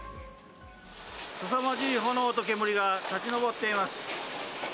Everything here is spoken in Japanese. すさまじい炎と煙が立ち上っています。